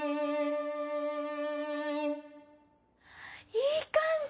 いい感じ！